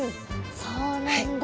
そうなんだ。